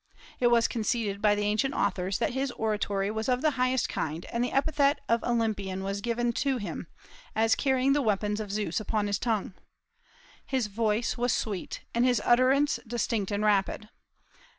It was conceded by the ancient authors that his oratory was of the highest kind, and the epithet of "Olympian" was given him, as carrying the weapons of Zeus upon his tongue. His voice was sweet, and his utterance distinct and rapid.